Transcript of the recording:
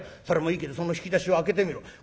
『それもいいけどその引き出しを開けてみろ』。